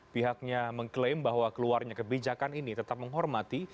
pihaknya mengklaim bahwa keluarnya kebijakan ini tetap menghormati